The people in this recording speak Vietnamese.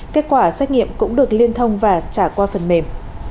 kết quả xét nghiệm cũng được liên thông và trả qua phần mềm